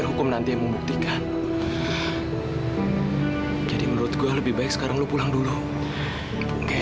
sampai jumpa di video selanjutnya